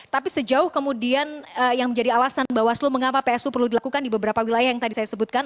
tapi sejauh kemudian yang menjadi alasan bawaslu mengapa psu perlu dilakukan di beberapa wilayah yang tadi saya sebutkan